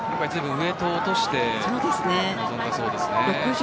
ウエートを落として臨んだそうです。